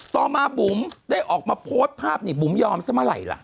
ต่อมาบุ๋มได้ออกมาโพสต์ภาพนี้บุ๋มยอมสมัยล่ะ